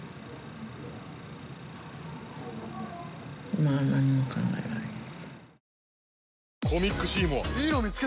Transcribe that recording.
今は何も考えられへん。